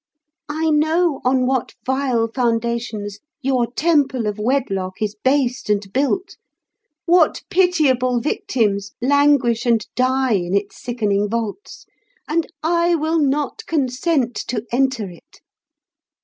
I know on what vile foundations your temple of wedlock is based and built, what pitiable victims languish and die in its sickening vaults; and I will not consent to enter it.